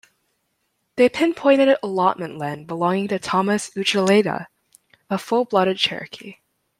They pinpointed allotment land belonging to Thomas Oochaleta, a full-blood Cherokee.